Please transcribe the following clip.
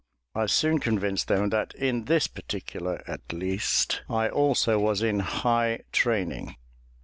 I soon convinced them that in this particular, at least, I also was in high training.